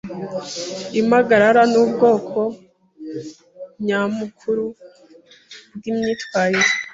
Impagarara nubwoko nyamukuru bwimyitwarire